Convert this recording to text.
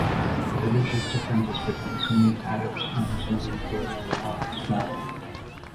The religious differences between Sunni Arabs and Sunni Kurds are small.